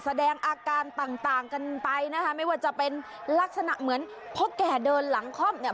แสดงอาการต่างต่างกันไปนะคะไม่ว่าจะเป็นลักษณะเหมือนพ่อแก่เดินหลังค่อมเนี่ย